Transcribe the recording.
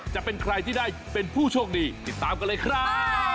จะเป็นใครที่ได้เป็นผู้โชคดีติดตามกันเลยครับ